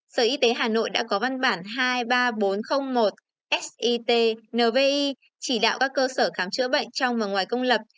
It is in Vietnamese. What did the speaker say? sở y tế hà nội đã có văn bản hai mươi ba nghìn bốn trăm linh một sit nvi chỉ đạo các cơ sở khám chữa bệnh trong và ngoài công lập